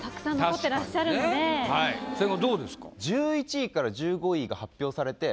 千賀どうですか？